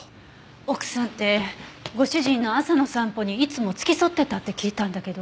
奥さんってご主人の朝の散歩にいつも付き添ってたって聞いたんだけど。